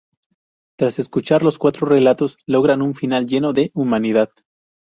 Tras escuchar los cuatro relatos logran un final lleno de humanidad.